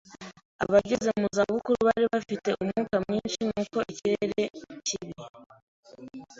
Abageze mu zabukuru bari bafite umwuka mwinshi nubwo ikirere kibi.